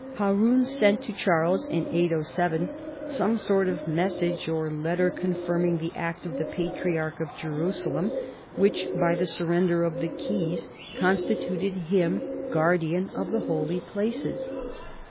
Haroun sent to Charles in 80Y some sort of message or letter con firming the act of the Patriarch of Jerusalem which by the surrender of the keys constituted him guard ian of the Holy Places.